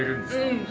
うん。